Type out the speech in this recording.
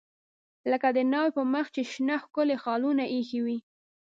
لکه د ناوې په مخ چې شنه ښکلي خالونه ایښي وي.